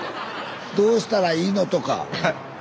「どうしたらいいの？」とか。